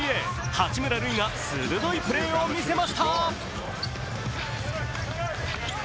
八村塁が鋭いプレーをみせました。